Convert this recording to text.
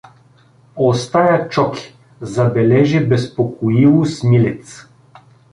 — Остая Чоки — забележи безпокоило Смилец.